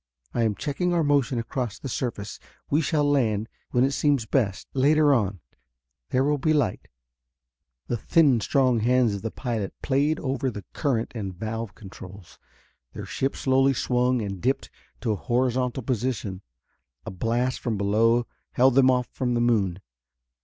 I am checking our motion across the surface. We shall land, when it seems best, later on. There will be light." The thin strong hands of the pilot played over the current and valve controls. Their ship slowly swung and dipped to a horizontal position. A blast from below held them off from the moon.